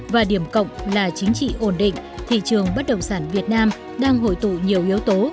và điểm cộng là chính trị ổn định thị trường bất động sản việt nam đang hội tụ nhiều yếu tố